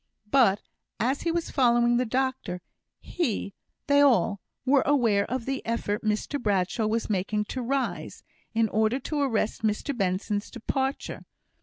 But as he was following the doctor, he they all were aware of the effort Mr Bradshaw was making to rise, in order to arrest Mr Benson's departure.